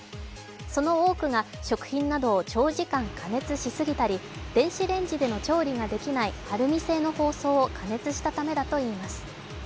その多くが食品などを長時間加熱しすぎたり、電子レンジでの調理ができないアルミ製の包装を加熱したためだといいます。